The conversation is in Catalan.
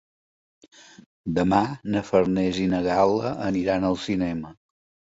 Demà na Farners i na Gal·la aniran al cinema.